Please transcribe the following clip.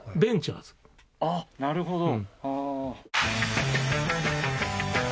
あっなるほど。